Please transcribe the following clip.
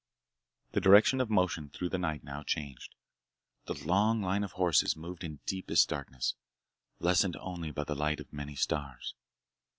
The direction of motion through the night now changed. The long line of horses moved in deepest darkness, lessened only by the light of many stars.